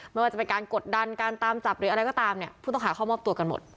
ไม่ว่าจะเป็นการกดดันการตามจับหรืออะไรก็ตามเนี่ยผู้ต้องหาเข้ามอบตัวกันหมด